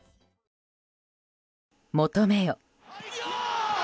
求めよ。